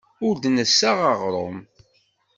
Ur d-nessaɣ aɣrum.